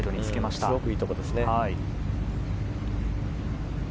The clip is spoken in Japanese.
すごくいいところですね。